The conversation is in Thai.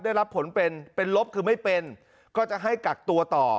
ได้รับผลเป็นเป็นลบคือไม่เป็นก็จะให้กักตัวต่อ